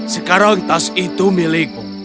sekarang tas itu milikmu